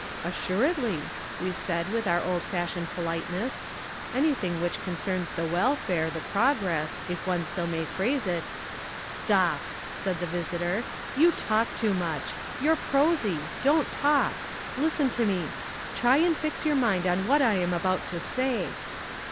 "Assuredly," we said, with our old fashioned politeness. "Anything which concerns the welfare, the progress, if one may so phrase it " "Stop," said the visitor. "You talk too much. You're prosy. Don't talk. Listen to me. Try and fix your mind on what I am about to say."